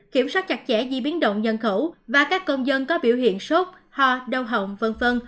kiểm soát chặt chẽ di biến động nhân khẩu và các công dân có biểu hiện sốt ho đau hỏng v v